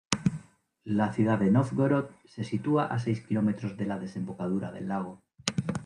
La ciudad de Nóvgorod se sitúa a seis kilómetros de la desembocadura del lago.